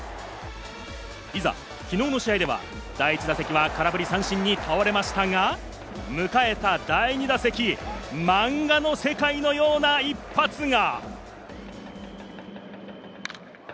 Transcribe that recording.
いざ昨日の試合では第１打席は空振り三振に倒れましたが、迎えた第２打席、マンガの世界のような一発が。